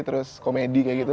terus komedi kayak gitu